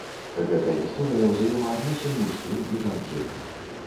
Гэта гісторыя ўзаемаадносін мужчын і жанчын.